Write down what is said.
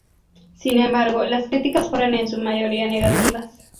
Sin embargo, las críticas fueron en su mayoría negativas.